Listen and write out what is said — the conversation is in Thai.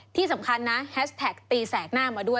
ที่สำคัญนะแฮชแท็กตีแสกหน้ามาด้วย